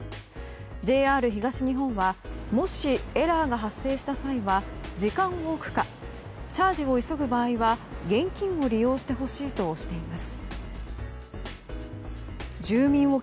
ＪＲ東日本はもし、エラーが発生した際は時間を置くかチャージを急ぐ場合は現金を利用してほしいとしています。